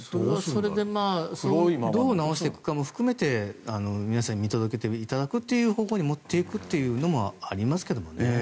どう直していくかも含めて皆さんに見届けていただく方向に持っていくというのもありますけどね。